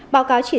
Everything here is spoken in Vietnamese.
báo cáo chỉ ra